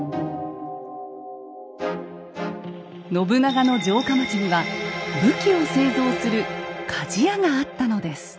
信長の城下町には武器を製造する鍛冶屋があったのです。